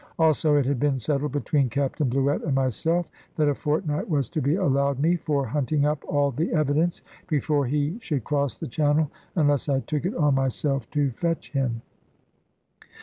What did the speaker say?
Also it had been settled between Captain Bluett and myself, that a fortnight was to be allowed me for hunting up all the evidence, before he should cross the Channel; unless I took it on myself to fetch him.